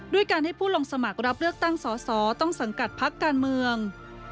ด้วยการให้ผู้ลงสมัครรับเลือกตั้งสอสอต้องสังกัดพักการเมือง